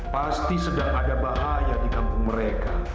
pasti sedang ada bahaya di kampung mereka